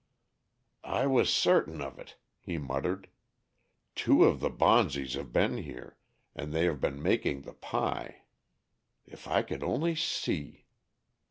"I was certain of it," he muttered. "Two of the Bonzes have been here, and they have been making the pi. If I could only see!"